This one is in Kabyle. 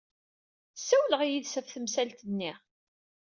Ssawleɣ yid-s ɣef temsalt-nni.